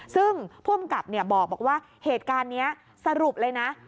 ซึ่งผู้อำกับบอกว่าเหตุการณ์นี้สรุปเลยนะ